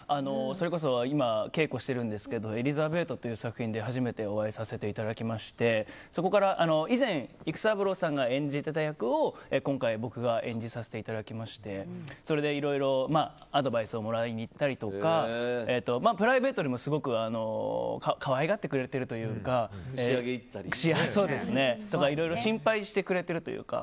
それこそ今稽古してるんですけど「エリザベート」という作品で初めてお会いさせていただきましてそこから以前、育三郎さんが演じていた役を今回僕が演じさせていただきましてそれでいろいろアドバイスをもらいにいったりとかプライベートでもすごく可愛がってくれてるというか串揚げ行ったりとか心配してくれているというか。